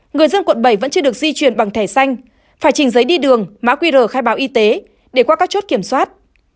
người dân quận bảy vẫn chưa được di chuyển bằng thẻ xanh phải chỉnh giấy đi đường mã qr khai báo y tế để qua các chốt kiểm soát